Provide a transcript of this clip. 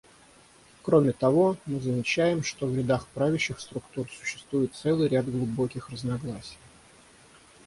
Кроме того, мы замечаем, что в рядах правящих структур существует целый ряд глубоких разногласий.